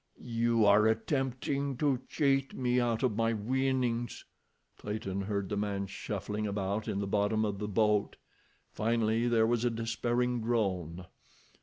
"You are attempting to cheat me out of my winnings." Clayton heard the man shuffling about in the bottom of the boat. Finally there was a despairing groan.